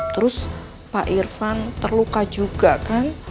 terus pak irfan terluka juga kan